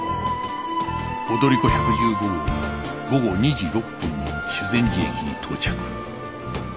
踊り子１１５号は午後２時６分に修善寺駅に到着